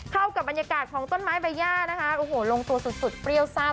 เข้ากับบรรยากาศของต้นไม้ใบย่านะคะโอ้โหลงตัวสุดสุดเปรี้ยวซาบ